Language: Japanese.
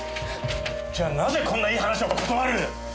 じゃあなぜこんないい話を断る！？